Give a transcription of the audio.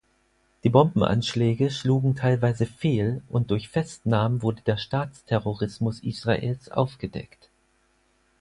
Die Bombenanschläge schlugen teilweise fehl und durch Festnahmen wurde der Staatsterrorismus Israels aufgedeckt.